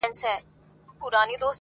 هر څوک له بل څخه لرې او جلا ښکاري,